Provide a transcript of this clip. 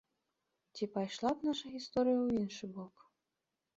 Ці пайшла б наша гісторыя ў іншы бок?